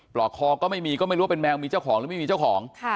หลอกคอก็ไม่มีก็ไม่รู้ว่าเป็นแมวมีเจ้าของหรือไม่มีเจ้าของ